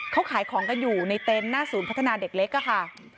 เขาขายของกันอยู่ในเต็นต์หน้าศูนย์พัฒนาเด็กเล็กค่ะ